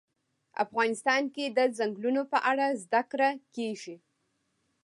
افغانستان کې د ځنګلونه په اړه زده کړه کېږي.